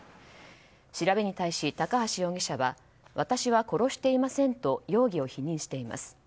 調べに対し、高橋容疑者は私は殺していませんと容疑を否認しています。